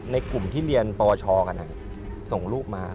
ในกลุ่มที่เรียนปวชกันส่งลูกมา